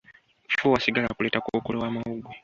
Okufuuwa sigala kuleeta kookolo w'amawuggwe.